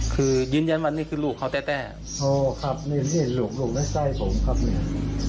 คือยืนยันวันนี้คือลูกเขาแต้แต้โอ้ครับนี่นี่ลูกลูกได้ใส่ผมครับเนี่ย